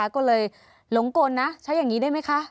ก็เลยหลงกลนะใช้อย่างนี้ได้ไหมคะ